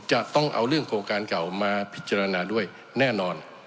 จะต้องเอาเรื่องโครงการเก่ามาพิจารณาด้วยแน่นอน